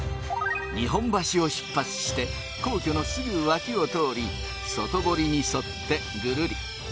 日本橋を出発して皇居のすぐ脇を通り外堀に沿ってぐるり。